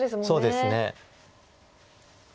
そうですね。